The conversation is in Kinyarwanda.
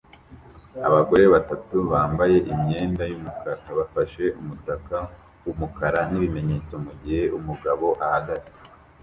Abagore batatu bambaye imyenda yumukara bafashe umutaka wumukara nibimenyetso mugihe umugabo ahagaze